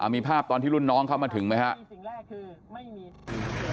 มีภาพตอนที่รุ่นน้องเข้ามาถึงไหมครับ